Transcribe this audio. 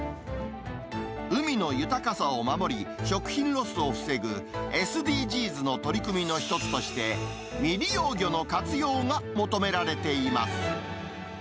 海の豊かさを守り、食品ロスを防ぐ、ＳＤＧｓの取り組みの一つとして、未利用魚の活用が求められています。